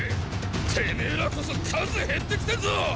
てめェらこそ数減ってきてんぞ！